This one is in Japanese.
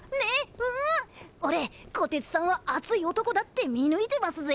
おれこてつさんは熱い男だって見抜いてますぜ。